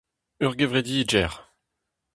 Ur gevredigezh.